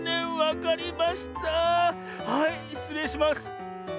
はいしつれいします。